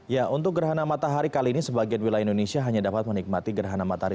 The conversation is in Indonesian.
ya untuk gerhana matahari kali ini sebagian wilayah indonesia hanya dapat menikmati gerhana matahari